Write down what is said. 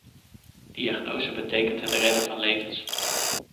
Diagnose betekent het redden van levens.